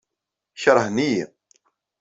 Keṛhen-iyi.